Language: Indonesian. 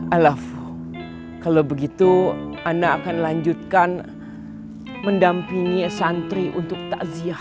alah kalau begitu ana akan lanjutkan mendampingi santri untuk takziah